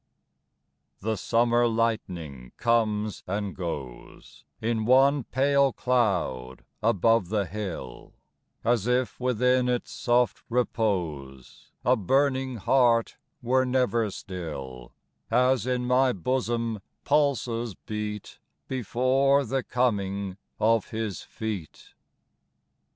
The Summer lightning comes and goes In one pale cloud above the hill, As if within its soft repose A burning heart were never still As in my bosom pulses beat Before the coming of his feet.